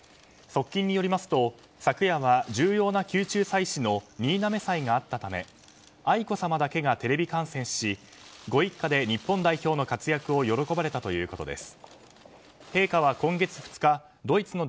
側近によりますと昨夜は重要な宮中祭祀の新嘗祭があったため愛子さまだけがテレビ観戦しご一家で日本代表の活躍を喜ばれたということです。